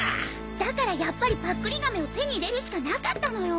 だからやっぱりパックリ亀を手に入れるしかなかったのよ。